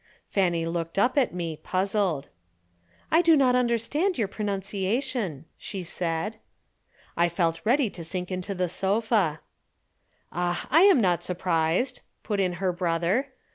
Fanny looked up at me, puzzled. "I do not understand your pronunciation," she said. I felt ready to sink into the sofa. "Ah, I am not surprised," put in her brother.